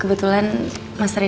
sebelum apa sih